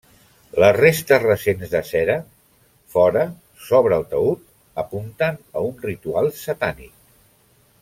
Les restes recents de cera fora sobre el taüt apunten a un ritual satànic.